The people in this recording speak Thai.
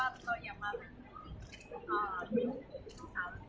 เวลาแรกพี่เห็นแวว